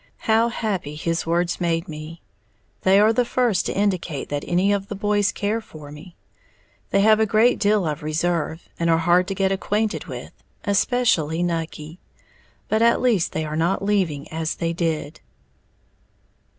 How happy his words made me, they are the first to indicate that any of the boys care for me. They have a great deal of reserve, and are hard to get acquainted with, especially Nucky. But at least they are not leaving as they did.